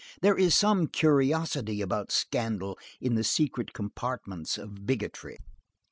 There is some curiosity about scandal in the secret compartments of bigotry.